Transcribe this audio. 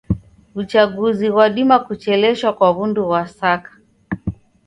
W'uchaguzi ghwadima kucheleshwa kwa w'undu ghwa saka.